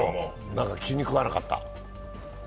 何か気に食わなかった？